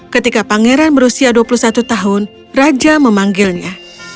ketika pangeran berusia dua puluh satu tahun raja memanggilnya